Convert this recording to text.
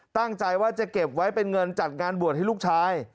ตั้งใจว่าจะเก็บไว้เป็นเงินจัดงานบวชให้ลูกชาย